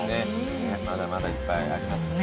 まだまだいっぱいありますよね。